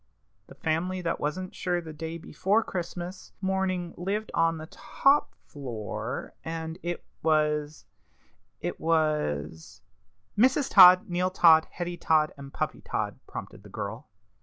The family that wasn't sure the day before Christmas morning lived on the top floor, and it was it was " "Mrs. Todd, Neal Todd, Hetty Todd, and Puppy Todd," prompted the girl.